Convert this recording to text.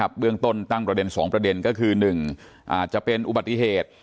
เบื้องต้นตั้งประเด็น๒ประเด็นก็คือ๑อาจจะเป็นอุบัติเหตุ